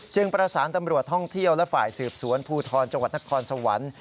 ประสานตำรวจท่องเที่ยวและฝ่ายสืบสวนภูทรจังหวัดนครสวรรค์